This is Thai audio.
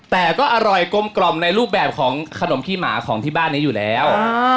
แต่ก็อร่อยกลมกล่อมในรูปแบบของขนมขี้หมาของที่บ้านนี้อยู่แล้ว